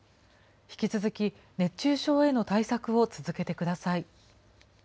引き続き熱中症への対策を続けてください。